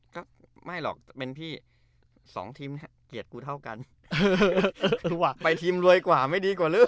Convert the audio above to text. ก็ไม่หรอกเป็นพี่สองทีมเนี่ยเกลียดกูเท่ากันไปทีมรวยกว่าไม่ดีกว่าหรือ